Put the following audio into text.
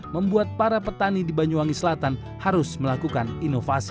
membuat para petani di banyuwangi selatan harus melakukan inovasi